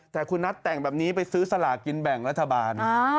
แต่คุณนัทแต่งแบบนี้ไปซื้อสลากินแบ่งรัฐบาล